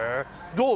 どう？